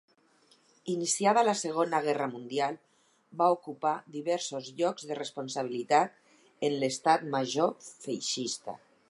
Iniciada la Segona Guerra Mundial va ocupar diversos llocs de responsabilitat en l'Estat Major feixista.